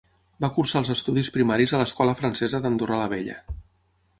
Va cursar els estudis primaris a l'escola francesa d'Andorra la Vella.